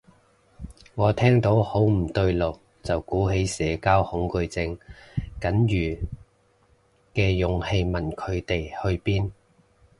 我聽到好唔對路，就鼓起社交恐懼症僅餘嘅勇氣問佢哋去邊